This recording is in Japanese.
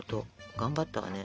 頑張ったわね。